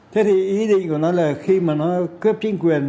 thế thì ý định của nó là khi mà nó cướp chính quyền